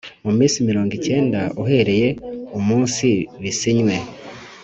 mu minsi mirongo icyenda uhereye umunsi bisinywe